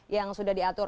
yang sudah diatur